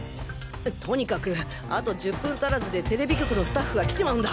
とにかくあと１０分足らずでＴＶ局のスタッフが来ちまうんだ！